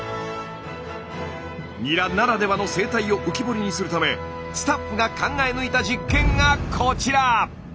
ニラならではの生態を浮き彫りにするためスタッフが考え抜いた実験がこちら！